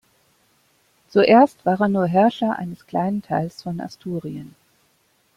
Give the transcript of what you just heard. Zuerst war er nur Herrscher eines kleinen Teils von Asturien.